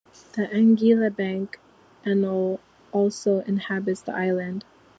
The Anguilla Bank anole also inhabits the island.